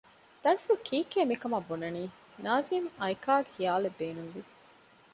ދަރިފުޅު ކީކޭ މިކަމާ ބުނަނީ؟ ނާޒިމް އައިކާގެ ޚިޔާލެއް ބޭނުންވި